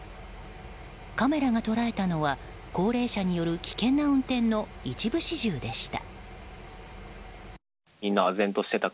カメラが捉えたのは高齢者による危険な運転の一部始終でした。